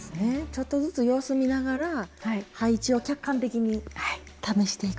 ちょっとずつ様子見ながら配置を客観的に試していくと。